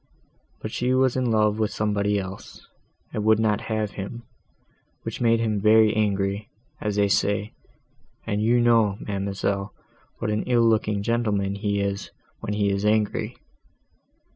But she was in love with somebody else, and would not have him, which made him very angry, as they say, and you know, ma'amselle, what an ill looking gentleman he is, when he is angry.